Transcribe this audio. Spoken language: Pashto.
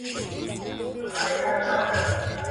آیا تاسو په خپلو خوړو کې له وچو مېوو ګټه اخلئ؟